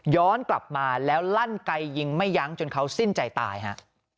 ย้อนกลับมาแล้วลั่นไกยิงไม่ยั้งจนเขาสิ้นใจตายฮะ